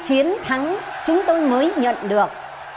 chiến thắng chúng tôi mới nhận được